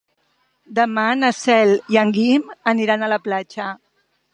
Demà na Cel i en Guim aniran a la platja.